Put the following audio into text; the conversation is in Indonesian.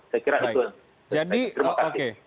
saya kira itu terima kasih